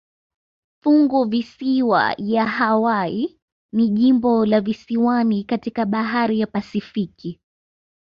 Funguvisiwa ya Hawaii ni jimbo la visiwani katika bahari ya Pasifiki.